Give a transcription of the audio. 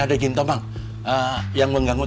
ada jin tomang yang mengganggu